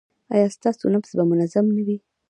ایا ستاسو نبض به منظم نه وي؟